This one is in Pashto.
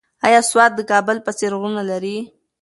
ایا سوات د کابل په څېر غرونه لري؟